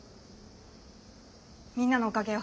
みんなのおかげよ。